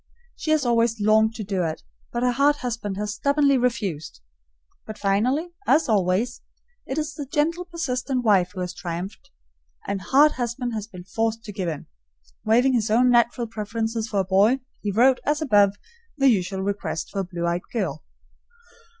She has always longed to do it, but her hard husband has stubbornly refused. But finally, as always, it is the gentle, persistent wife who has triumphed, and hard husband has been forced to give in. Waiving his own natural preference for a boy, he wrote, as above, the usual request for a blue eyed girl.